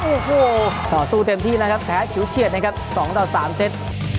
โอ้โหต่อสู้เต็มที่นะครับแพ้ฉิวเฉียดนะครับ๒ต่อ๓เซต